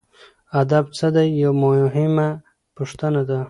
ادب څه دی یوه مهمه پوښتنه ده.